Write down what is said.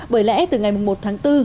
bởi lẽ từ ngày một tháng bốn